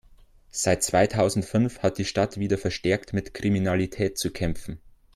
Seit zweitausendfünf hat die Stadt wieder verstärkt mit Kriminalität zu kämpfen.